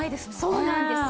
そうなんですよ。